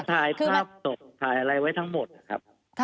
ถ่ายภาพศพถ่ายอะไรไว้ทั้งหมดนะครับ